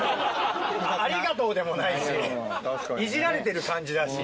ありがとうでもないし、いじられてる感じだし。